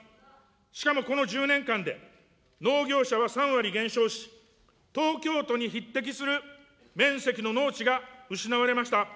しかもこの１０年間で、農業者は３割減少し、東京都に匹敵する面積の農地が失われました。